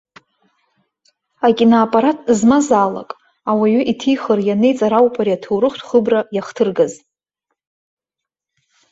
Акиноаппарат змазаалак, ауаҩы иҭихыр, ианиҵар ауп ари аҭоурыхтә хыбра иахҭыргаз.